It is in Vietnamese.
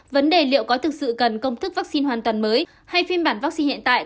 vấn đề liệu có thực sự cần công thức vaccine hoàn toàn mới hay phiên bản vaccine hiện tại